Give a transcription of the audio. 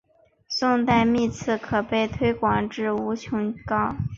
迭代幂次可被推广至无穷高。